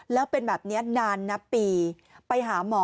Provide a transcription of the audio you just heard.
แล้วเป็นแบบนี้นานนับปีไปหาหมอ